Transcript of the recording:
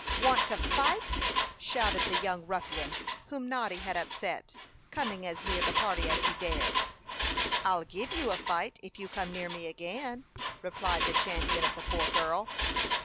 "Want to fight?" shouted the young ruffian, whom Noddy had upset, coming as near the party as he dared. "I'll give you fight, if you come near me again," replied the champion of the poor girl.